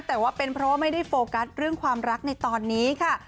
แต่ว่าเป็นเพราะว่าไม่ได้โฟกัสเรื่องความรักในตอนนี้ค่ะ